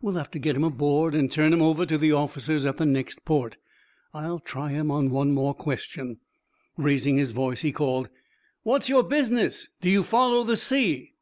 "We'll have to get him aboard and turn him over to the officers at the next port. I'll try him on one more question." Raising his voice, he called: "What's your business? Do you follow the sea?"